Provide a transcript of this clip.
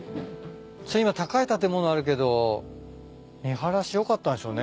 今高い建物あるけど見晴らし良かったでしょうね